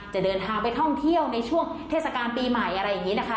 จะเดินทางไปท่องเที่ยวในช่วงเทศกาลปีใหม่อะไรอย่างนี้นะคะ